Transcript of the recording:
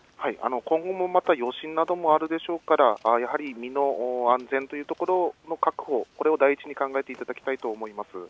今後もまた余震などもあるでしょうから、やはり、身の安全というところの確保、これを第一に考えていただきたいと思います。